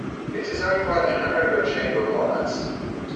It is owned by the Hanover Chamber monaste.